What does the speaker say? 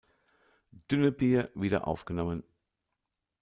Dünnebier wieder aufgenommen.